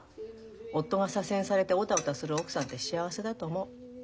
夫が左遷されてオタオタする奧さんって幸せだと思う。